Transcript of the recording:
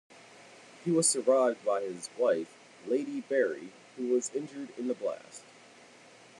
He was survived by his wife, Lady Berry, who was injured in the blast.